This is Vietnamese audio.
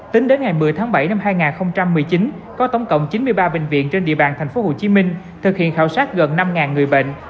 tính đến ngày một mươi tháng bảy năm hai nghìn một mươi chín có tổng cộng chín mươi ba bệnh viện trên địa bàn tp hcm thực hiện khảo sát gần năm người bệnh